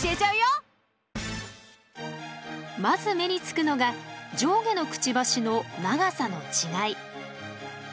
まず目につくのが上下のクチバシの長さの違い。